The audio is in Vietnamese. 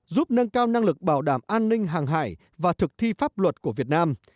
giúp nâng cao năng lực bảo đảm an ninh hàng hải và thực thi pháp luật của việt nam